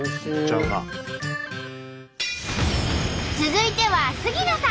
続いては杉野さん。